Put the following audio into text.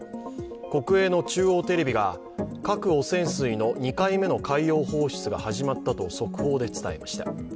国営の中央テレビが、核汚染水の２回目の海洋放出が始まったと速報で伝えました。